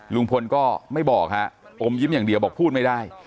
ลุงพลก็ไม่บอกฮะอมยิ้มอย่างเดียวบอกพูดไม่ได้